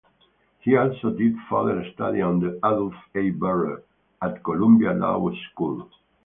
He also did further study under Adolf A. Berle at Columbia Law School.